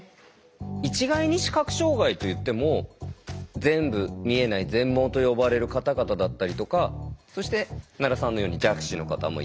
一概に視覚障害といっても全部見えない「全盲」と呼ばれる方々だったりとかそして奈良さんのように弱視の方もいて。